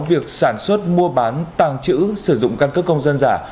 việc sản xuất mua bán tàng trữ sử dụng căn cấp công dân giả